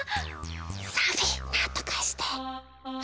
サフィーなんとかして！